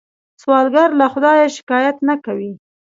سوالګر له خدایه شکايت نه کوي